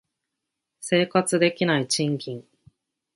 生活できない賃金